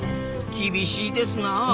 厳しいですなあ。